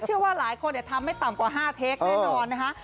เชื่อว่าหลายคนทำไม่ต่ำกว่า๕เทคแน่นอนนะคะ